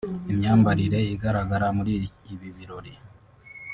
Imyambarire izagaragara muri ibi birori